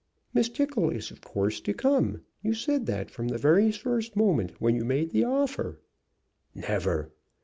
"Miss Tickle is of course to come. You said that from the very first moment when you made the offer." "Never!"